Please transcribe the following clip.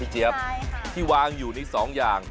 ไม่รอชาติเดี๋ยวเราลงไปพิสูจน์ความอร่อยกันครับ